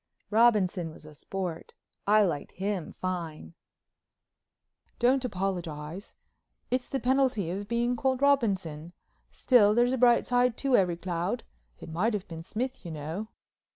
Robinson was a sport, I liked him fine: "Don't apologize. It's the penalty of being called Robinson. Still there's a bright side to every cloud. It might have been Smith, you know."